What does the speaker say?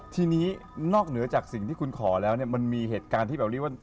ทีนี้นอกเหนือจากสิ่งที่คุณขอแล้วเนี่ยมันมีเหตุการณ์ที่แบบเรียกว่า